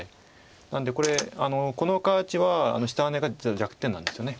なのでこれこの形は下ハネが弱点なんですよね。